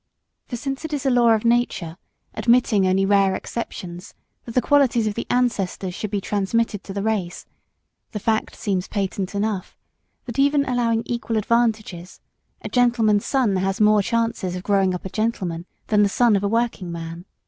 For since it is a law of nature, admitting only rare exceptions, that the qualities of the ancestors should be transmitted to the race the fact seems patent enough, that even allowing equal advantages, a gentleman's son has more chances of growing up a gentleman than the son of a working man.